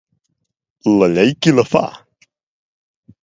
La llei qui la fa?